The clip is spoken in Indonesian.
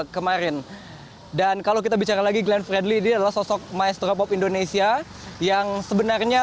kemarin dan kalau kita bicara lagi glenn friendly adalah sosok maestro pop indonesia yang sebenarnya